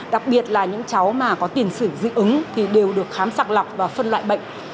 đặc biệt là những cháu mà có tiền sử dị ứng thì đều được khám sàng lọc và phân loại bệnh